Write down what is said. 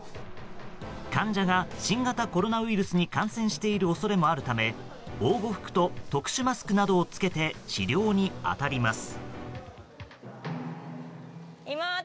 患者が新型コロナウイルスに感染している恐れもあるため防護服と特殊マスクなどを着けて治療に当たります。